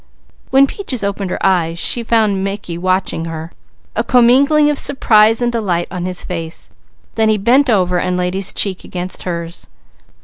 When Peaches opened her eyes she found Mickey watching her, a commingling of surprise and delight on his face. Then he bent over and laid his cheek against hers.